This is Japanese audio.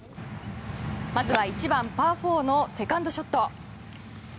まずは１番、パー４のセカンドショット。